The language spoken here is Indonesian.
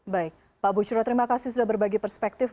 baik pak bushro terima kasih sudah berbagi perspektif